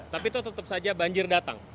tapi itu tetap saja banjir datang